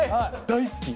大好き！